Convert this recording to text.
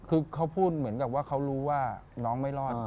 คือเขาพูดเหมือนกับว่าเขารู้ว่าน้องไม่รอด